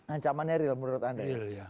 ancamannya real menurut anda